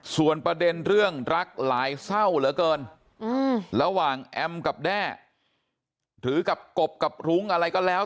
ส่วนประเด็นเรื่องรักหลายเศร้าเหลือเกินระหว่างแอมกับแด้หรือกับกบกับรุ้งอะไรก็แล้ว